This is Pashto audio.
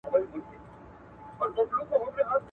د دهقانانو د کار کولو صلاحيت لوړ سو.